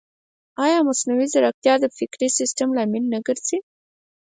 ایا مصنوعي ځیرکتیا د فکري سستۍ لامل نه ګرځي؟